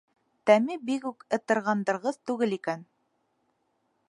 Тәме бик үк ытырғандырғыс түгел икән.